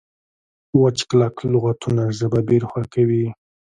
وچ کلک لغتونه ژبه بې روحه کوي.